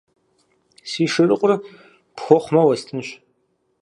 Си шырыкъур пхуэхъумэ, уэстынщ.